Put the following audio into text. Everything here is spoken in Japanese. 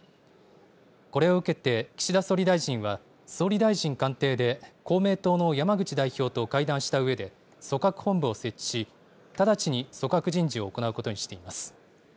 これを受けて岸田総理大臣は、総理大臣官邸で公明党の山口代表と会談したうえで、組閣本部を設置し、直ちに組閣人事を行うことにしています。